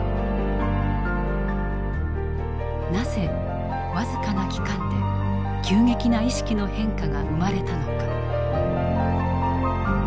なぜ僅かな期間で急激な意識の変化が生まれたのか。